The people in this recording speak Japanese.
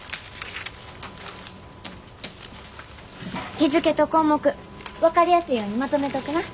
日付と項目分かりやすいようにまとめとくな。